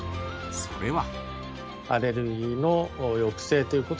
それは。